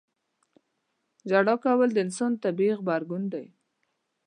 • ژړا کول د انسان طبیعي غبرګون دی.